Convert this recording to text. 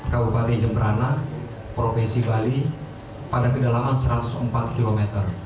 kabupaten jemberana provinsi bali pada kedalaman satu ratus empat km